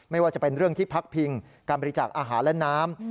ไม่ว่าจะเป็นเรื่องที่พักพิงการบริจาคอาหารและน้ำ